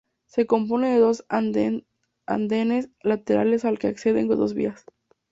Se compone de dos andenes laterales al que acceden dos vías.